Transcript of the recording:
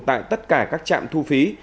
tại tất cả các trạm thu phí